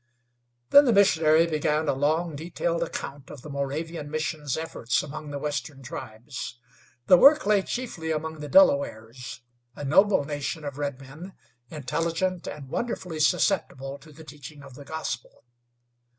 Then the missionary began a long, detailed account of the Moravian Mission's efforts among the western tribes. The work lay chiefly among the Delawares, a noble nation of redmen, intelligent, and wonderfully susceptible to the teaching of the gospel.